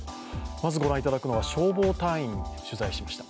まず御覧いただくのは消防隊員、取材しました。